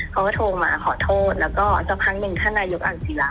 เขาก็โทรมาขอโทษแล้วก็สักพักหนึ่งท่านนายกอ่างศิลา